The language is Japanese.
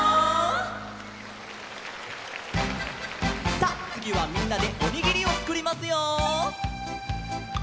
さあつぎはみんなでおにぎりをつくりますよ！